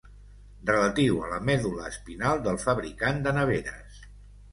Relatiu a la medul·la espinal del fabricant de neveres.